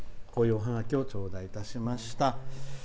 こういうおハガキを頂戴いたしました。